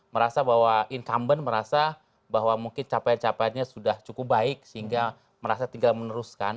merasa bahwa incumbent merasa bahwa mungkin capaian capaiannya sudah cukup baik sehingga merasa tinggal meneruskan